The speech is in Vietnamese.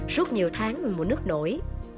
suốt nhiều tháng mùa nước nổi